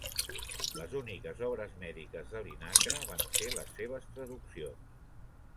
Les úniques obres mèdiques de Linacre van ser les seves traduccions.